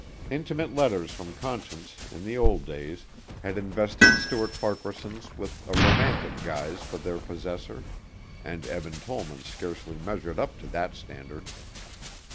Intimate letters from Conscience, in the old days, had invested Stuart Farquaharson with a romantic guise for their possessor and Eben Tollman scarcely measured up to that standard.